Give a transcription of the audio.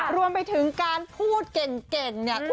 รวมไปถึงการพูดเก่งเนี่ย